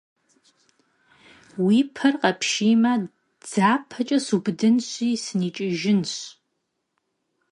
- Уи пэр къэпшиймэ, дзапэкӏэ субыдынщи, сыникӏыжынщ.